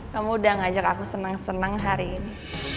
kamu udah ngajak aku seneng seneng hari ini